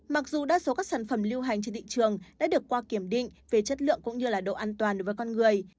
mặc dù đa số các sản phẩm lưu hành trên thị trường đã được qua kiểm định về chất lượng cũng như độ an toàn với con người